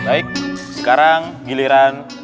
baik sekarang giliran